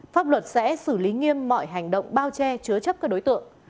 pháp luật sẽ xử lý nghiêm mọi hành động bao che chứa chấp các đối tượng